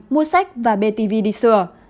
mua sách và bê tivi đi sửa